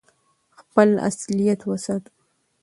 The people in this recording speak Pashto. خپل اصالت وساتو.